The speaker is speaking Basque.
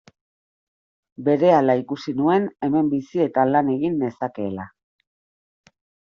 Berehala ikusi nuen hemen bizi eta lan egin nezakeela.